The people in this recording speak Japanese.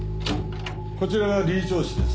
こちらが理事長室です。